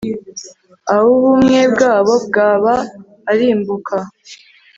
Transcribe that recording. aubumwe bwabo bwaba arimbuka